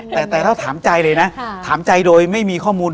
แต่ถ้าถามใจเลยนะถามใจโดยไม่มีข้อมูล